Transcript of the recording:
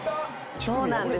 そうなんですよ。